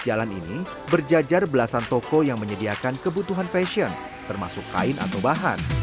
di jalan ini berjajar belasan toko yang menyediakan kebutuhan fashion termasuk kain atau bahan